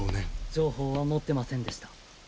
情報は持ってませんでした。